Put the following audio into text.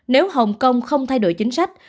nếu hồng kông không thay đổi chính sách